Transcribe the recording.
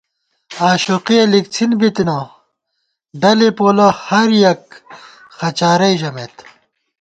آشوقِیَہ لِکڅِھن بِتنہ، ڈلے پولہ ہریَک خہ چارَئی ژمېت